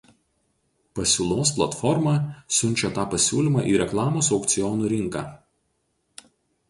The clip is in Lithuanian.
Pasiūlos platforma siunčia tą pasiūlymą į reklamos aukcionų rinką.